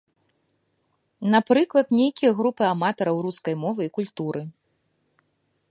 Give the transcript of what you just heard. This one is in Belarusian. Напрыклад, нейкія групы аматараў рускай мовы і культуры.